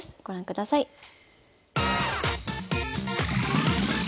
ご覧ください。